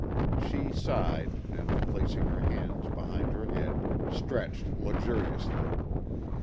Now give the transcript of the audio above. She sighed, and, placing her hands behind her head, stretched luxuriously.